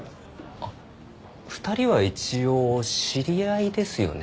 あ２人は一応知り合いですよね？